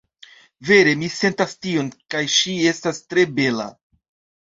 Vere, mi sentas tion, kaj ŝi estas tre bela